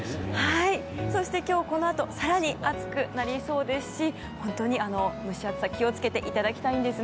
そしてこのあと更に暑くなりそうですし本当に蒸し暑さに気を付けていただきたいです。